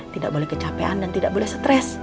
tidak boleh kecapean dan tidak boleh stres